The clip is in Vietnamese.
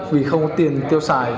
vì không có tiền tiêu xài